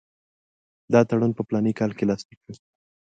دا تړون په فلاني کال کې لاسلیک شو.